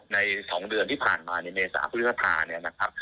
ใน๒เดือนที่ผ่านมาในเมษาคุณธภาพ